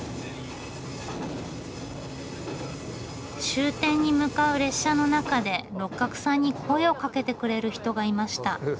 終点に向かう列車の中で六角さんに声をかけてくれる人がいました。